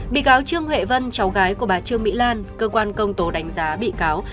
bị cáo trương huệ vân cháu gái của bà trương mỹ lan cơ quan công tố đánh giá bị cáo